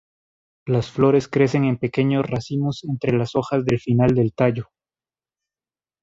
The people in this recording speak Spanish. Las flores crecen en pequeños racimos entre las hojas del final del tallo.